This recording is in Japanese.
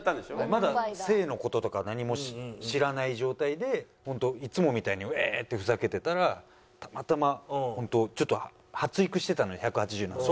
まだ性の事とか何も知らない状態でホントいつもみたいにウエ！ってふざけてたらたまたまホントちょっと発育してたの１８０なので。